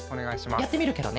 やってみるケロね。